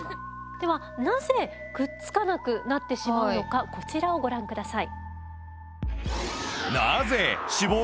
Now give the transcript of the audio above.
ではなぜくっつかなくなってしまうのかこちらをご覧下さい。